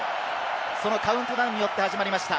そのカウントダウンによって始まりました。